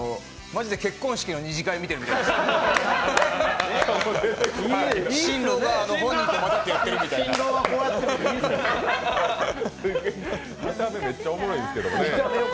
マジで結婚式の二次会見てるみたいですよ。